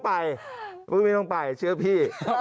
แล้วปุ้ยไม่ต้องไปเชื่อพี่